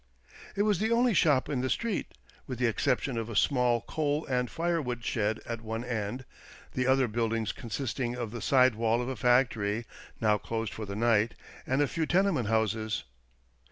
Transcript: It was the only shop in the street, with the exception of a small coal and firewood shed at one end, the other buildings consisting of the side wall of a factory, now closed for the night, and a few tenement houses.